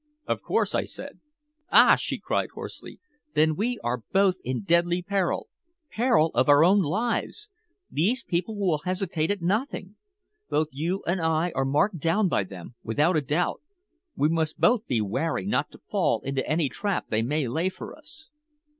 "Of course," I said. "Ah!" she cried hoarsely. "Then we are both in deadly peril peril of our own lives! These people will hesitate at nothing. Both you and I are marked down by them, without a doubt. We must both be wary not to fall into any trap they may lay for us."